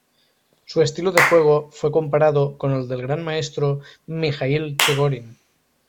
Su estilo de juego fue comparado con el del gran maestro Mijaíl Chigorin.